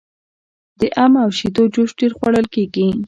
د ام او شیدو جوس ډیر خوړل کیږي.